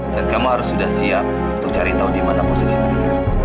dan kamu harus sudah siap untuk cari tahu di mana posisi mereka